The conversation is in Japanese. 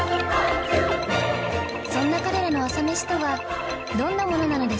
そんな彼らの朝メシとはどんなものなのでしょうか？